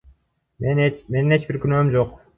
Менин эч бир күнөөм жок.